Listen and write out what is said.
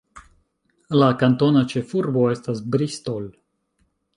La kantona ĉefurbo estas Bristol.